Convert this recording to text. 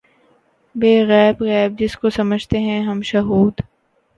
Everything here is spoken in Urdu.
ہے غیب غیب‘ جس کو سمجھتے ہیں ہم شہود